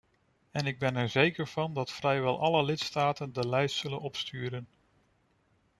En ik ben er zeker van dat vrijwel alle lidstaten de lijst zullen opsturen.